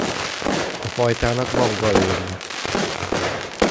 A fajtának van gallérja.